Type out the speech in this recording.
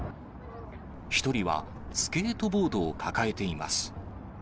１人はスケートボードを抱えています。